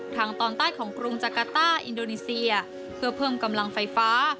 ทางตอนใต้ของกรุงจักรต้าอินโดนีเซียเพื่อเพิ่มกำลังไฟฟ้า